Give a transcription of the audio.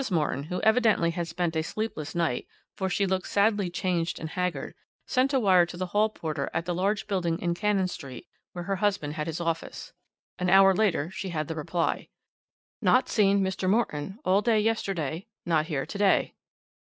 Morton, who evidently had spent a sleepless night, for she looked sadly changed and haggard, sent a wire to the hall porter at the large building in Cannon Street, where her husband had his office. An hour later she had the reply: 'Not seen Mr. Morton all day yesterday, not here to day.'